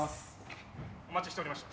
お待ちしておりました。